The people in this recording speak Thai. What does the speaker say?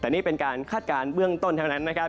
แต่นี่เป็นการคาดการณ์เบื้องต้นเท่านั้นนะครับ